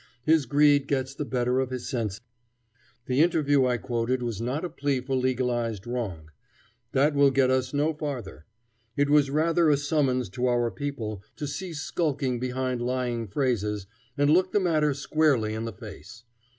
His greed gets the better of his sense. The interview I quoted was not a plea for legalizing wrong. That will get us no farther. It was rather a summons to our people to cease skulking behind lying phrases and look the matter squarely in the face.